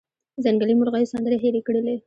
ځنګلي مرغېو سندرې هیرې کړلې